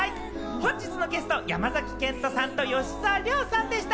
本日のゲスト、山崎賢人さんと吉沢亮さんでした。